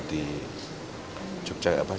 di jogja apa